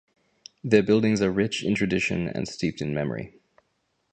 Their buildings are rich in tradition and steeped in memory.